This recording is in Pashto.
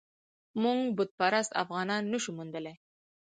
موږ بت پرست افغانان نه شو موندلای.